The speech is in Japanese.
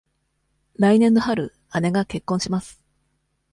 来年の春、姉が結婚します。